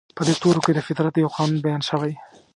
په دې تورو کې د فطرت يو قانون بيان شوی.